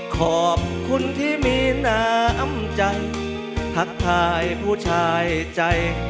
ขอบคุณที่มีน้ำใจทักทายผู้ชายใจ